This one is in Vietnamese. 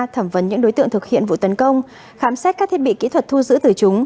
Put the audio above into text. thẩm vấn những đối tượng thực hiện vụ tấn công khám xét các thiết bị kỹ thuật thu giữ từ chúng